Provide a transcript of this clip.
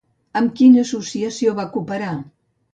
Amb quina associació va cooperar?